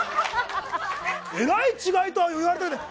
えらい違いとは言われたくない。